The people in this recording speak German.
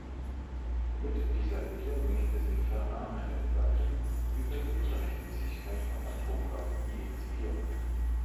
Mit dieser Bitte möchte sie ferner eine Debatte über die Unrechtmäßigkeit von Atomwaffen initiieren.